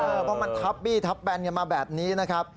เพราะมันทับบี้ทับแบนกันมาแบบนี้นะครับ